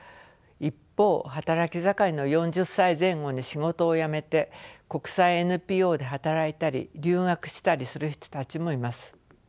一方働き盛りの４０歳前後に仕事を辞めて国際ＮＰＯで働いたり留学したりする人たちもいます。